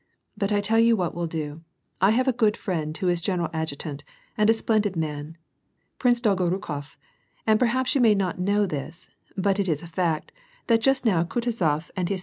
But I tell you what we'll do ; I have a good friend who is general adjutant, and a splendid man, Prince Dolgorukof, — and perhaps you may not know this, but it is a fact, that just now Kutuzof and his WAR AND PEACE.